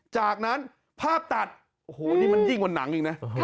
จากนั้นภาพตัดโอ้โหนี่มันยิ่งกว่าหนังอีกนะ